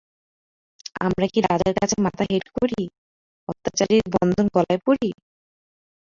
আমরা কি রাজার কাছে মাথা হেঁট করি, অত্যাচারীর বন্ধন গলায় পরি?